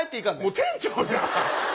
もう店長じゃん！